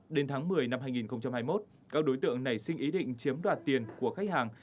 đến tháng một mươi năm hai nghìn hai mươi một các đối tượng nảy sinh ý định chiếm đoạt tiền của khách hàng